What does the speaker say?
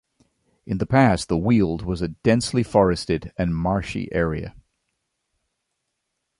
In the past the Weald was a densely forested and marshy area.